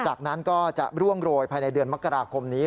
จากนั้นก็จะร่วงโรยภายในเดือนมกราคมนี้